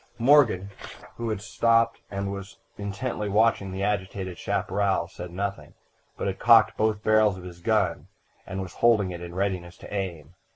"Morgan, who had stopped and was intently watching the agitated chaparral, said nothing, but had cocked both barrels of his gun, and was holding it in readiness to aim.